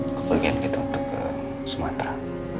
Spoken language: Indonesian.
aku pergi kita untuk ke sumatera